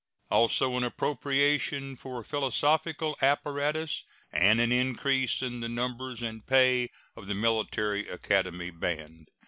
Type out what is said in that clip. Also an appropriation for philosophical apparatus and an increase in the numbers and pay of the Military Academy band.